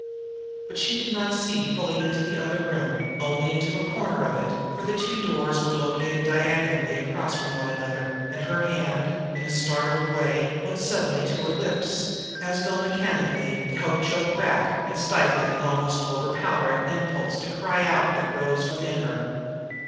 But she could not see fully into the other room, only into a corner of it, for the two doors were located diagonally across from one another, and her hand, in a startled way, went suddenly to her lips, as though mechanically to help choke back and stifle the almost overpowering impulse to cry out that arose within her.